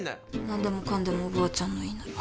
何でもかんでもおばあちゃんの言いなり。